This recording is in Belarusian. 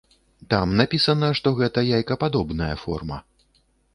Там напісана, што гэта яйкападобная форма.